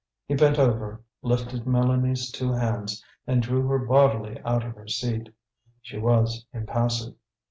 He bent over, lifted Mélanie's two hands, and drew her bodily out of her seat. She was impassive.